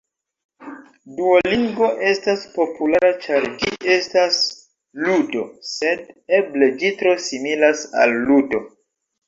Duolingo estas populara ĉar ĝi estas ludo, sed eble ĝi tro similas al ludo.